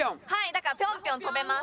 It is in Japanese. だからピョンピョン跳べます。